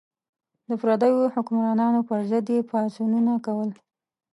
د پردیو حکمرانانو پر ضد یې پاڅونونه کول.